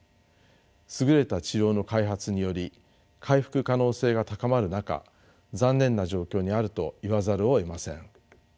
優れた治療の開発により回復可能性が高まる中残念な状況にあると言わざるをえません。